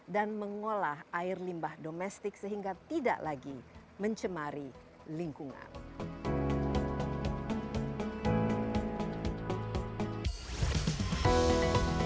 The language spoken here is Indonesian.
dan mengolah air limbah domestik sehingga tidak lagi mencemari lingkungan